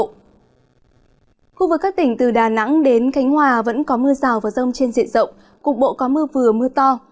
khu vực các tỉnh từ đà nẵng đến khánh hòa vẫn có mưa rào và rông trên diện rộng cục bộ có mưa vừa mưa to